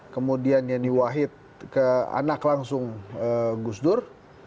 kemudian yeni wahid ke anak langsung gus dur